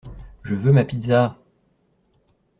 Je veux ma pizza!